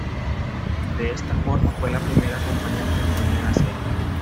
De esta forma, fue la primera acompañante en morir en la serie.